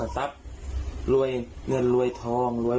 ดับอย่างนี้